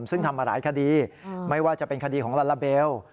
ซึ่งทำมาหลายคดีไม่ว่าจะเป็นคดีของลาลาเบล